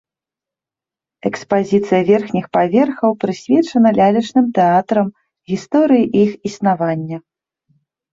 Экспазіцыя верхніх паверхаў прысвечана лялечным тэатрам, гісторыі іх існавання.